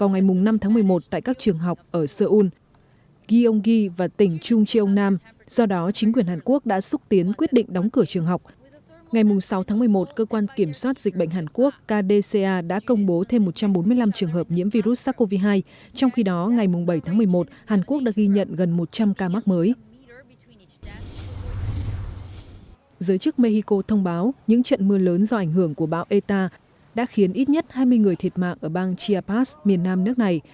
giới chức mexico thông báo những trận mưa lớn do ảnh hưởng của bão eta đã khiến ít nhất hai mươi người thiệt mạng ở bang chiapas miền nam nước này